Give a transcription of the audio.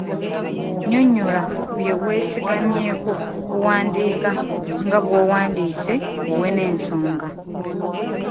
Nnyonnyola ku bye weesigamyeko okuwandiika nga bw'owandiise, owe n'ensonga.